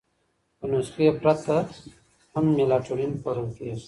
په نسخې پرته هم میلاټونین پلورل کېږي.